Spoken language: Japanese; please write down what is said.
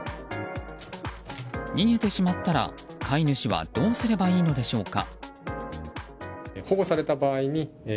逃げてしまったら、飼い主はどうすればよいのでしょうか。